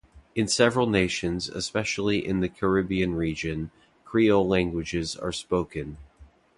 In several nations, especially in the Caribbean region, creole languages are spoken.